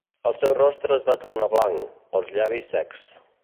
El seu rostre es va tornar blanc, els llavis secs.